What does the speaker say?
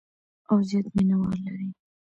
او زیات مینوال لري.